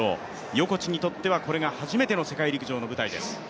横地にとってはこれが初めての世界陸上の舞台です。